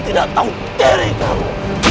tidak tahu diri kamu